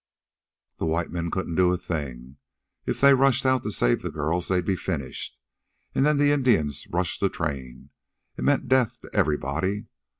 "The white men couldn't do a thing. If they rushed out to save the girls, they'd be finished, an' then the Indians'd rush the train. It meant death to everybody.